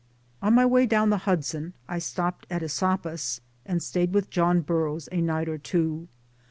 On my way down the Hudson I stopped at Esopus and stayed with John Burroughs a night or two.